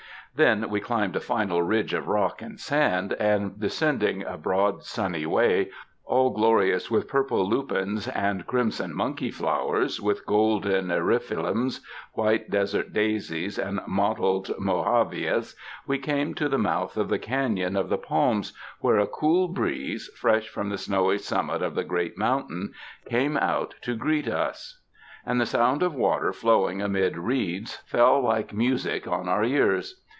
Then we climbed a final ridge of rock and sand, and descending a broad sunny way, all glorious with purple lupines and crimson monkey flowers, with golden eriophyllums, white desert daisies and mot tled mohaveas, we came to the mouth of the caiion of the palms, where a cool breeze fresh from the snowy summit of the great mountain came out to greet us, and the sound of water flowing amid reeds 34 THE DESERTS fell like musin on onr ears.